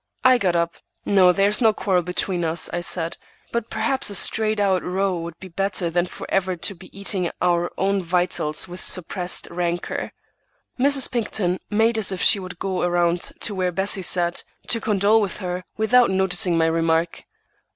I got up. "No, there's no quarrel between us," I said; "but perhaps a straight out row would be better than forever to be eating our own vitals with suppressed rancor." Mrs. Pinkerton made as if she would go around to where Bessie sat, to condole with her, without noticing my remark.